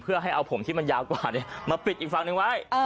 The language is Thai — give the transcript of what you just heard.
เพื่อให้เอาผมที่มันยาวกว่ามาปิดอีกฝั่งหนึ่งไว้